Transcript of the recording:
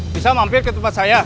bisa mampir ke tempat saya